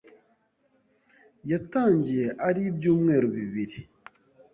yatangiye ari ibyumweru bibiri